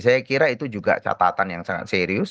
saya kira itu juga catatan yang sangat serius